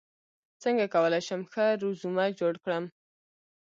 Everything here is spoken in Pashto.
څنګه کولی شم ښه رزومه جوړ کړم